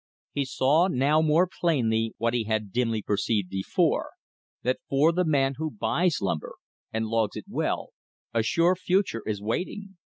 He saw now more plainly what he had dimly perceived before, that for the man who buys timber, and logs it well, a sure future is waiting.